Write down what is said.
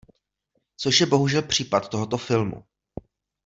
Což je bohužel případ tohoto filmu.